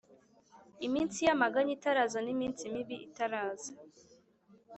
Iminsi yamaganya itaraza n’iminsi mibi itaraza